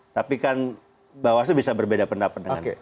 tapi kan bawaslu bisa berbeda pendapat dengan